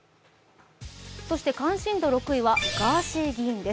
関心度６位はガーシー議員です。